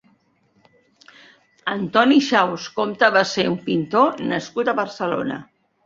Antoni Xaus Compte va ser un pintor nascut a Barcelona.